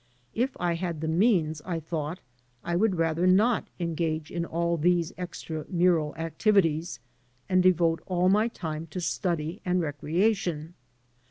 If I had the means, I thought, I would rather not engage in all these extra mm*al activities, and devote all my time to study and recreation.